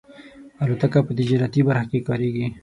الوتکه په تجارتي برخه کې کارېږي.